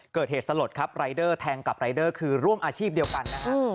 เกิดเหตุสลดครับรายเดอร์แทงกับรายเดอร์คือร่วมอาชีพเดียวกันนะฮะ